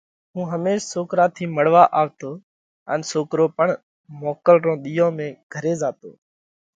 ان هميش سوڪرا ٿِي مۯوا آوتو ان سوڪرو پڻ موڪل رون ۮِيئون ۾ گھري زاتو۔